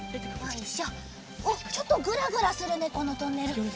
おっちょっとぐらぐらするねこのトンネル。